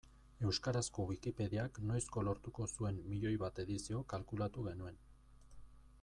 Euskarazko Wikipediak noizko lortuko zuen miloi bat edizio kalkulatu genuen.